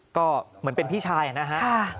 ก็เหมือนเป็นพี่ชายนะฮะ